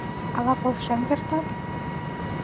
Ала полшен кертат?